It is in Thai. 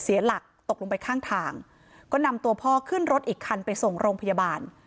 เสียหลักตกลงไปข้างทางก็นำตัวพ่อขึ้นรถอีกคันไปส่งโรงพยาบาล